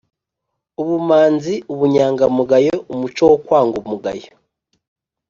ubumanzi: ubunyangamugayo, umuco wo kwanga umugayo…